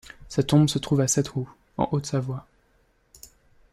Sa tombe se trouve à Seytroux, en Haute-Savoie.